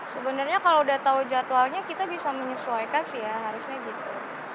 sebenarnya kalau sudah tahu jadwalnya kita bisa menyesuaikan sih ya harusnya gitu